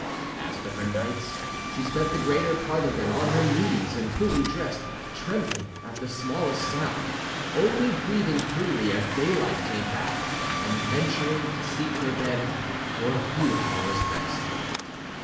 As to her nights, she spent the greater part of them on her knees, and fully dressed, trembling at the smallest sound; only breathing freely as daylight came back, and then venturing to seek her bed for a few hours' rest.